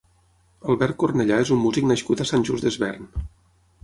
Albert Cornellà és un músic nascut a Sant Just Desvern.